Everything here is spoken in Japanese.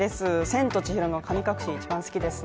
「千と千尋の神隠し」、一番好きです。